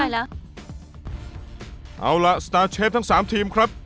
ใช่แล้วเอาล่ะสตาร์เชฟทั้งสามทีมครับ